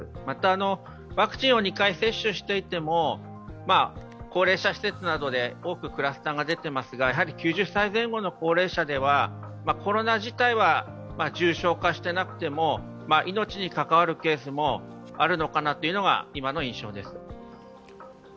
またワクチンを２回接種していても高齢者施設などで多くクラスターが出ていますが、９０歳前後の高齢者では、コロナ自体は重症化していなくても命に関わるケースもあるのかなというのが今の印象です。